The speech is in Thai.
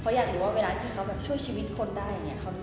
เพราะอยากรู้ว่าเวลาที่เค้าช่วยชีวิตคนได้